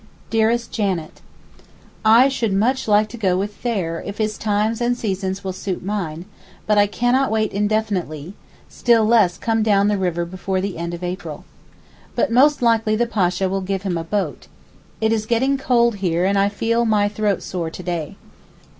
DEAREST JANET, I should much like to go with Thayer if his times and seasons will suit mine; but I cannot wait indefinitely, still less come down the river before the end of April. But most likely the Pasha will give him a boat. It is getting cold here and I feel my throat sore to day.